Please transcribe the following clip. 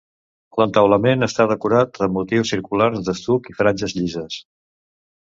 L'entaulament està decorat amb motius circulars d'estuc i franges llisses.